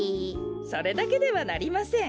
それだけではなりません。